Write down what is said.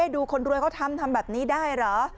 ดูคนรวยเขาทำทำแบบนี้ได้เหรอ